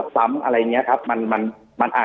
จนถึงปัจจุบันมีการมารายงานตัว